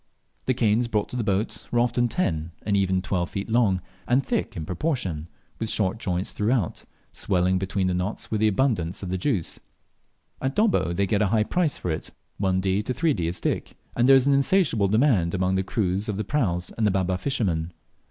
The canes brought to the boat were often ten and even twelve feet long, and thick in proportion, with short joints throughout, swelling between the knots with the abundance of the rich juice. At Dobbo they get a high price for it, 1d. to 3d. a stick, and there is an insatiable demand among the crews of the praus and the Baba fishermen.